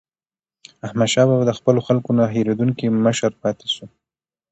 احمدشاه بابا د خپلو خلکو نه هېریدونکی مشر پاتې سو.